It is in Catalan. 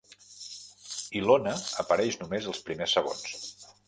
Ilona apareix només als primers segons.